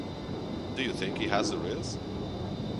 Do you think he has rizz?